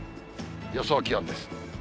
予想気温です。